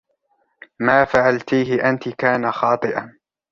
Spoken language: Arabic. ما فعلتيهِ أنتِ كان خاطئاً.